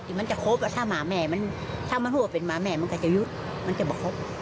ที่มันจะโคตรกับสักหมาแม่ถ้ามันพูดว่าเป็นพวกหมาแม่มันก็จะยุมันจะบอกว่าโคตร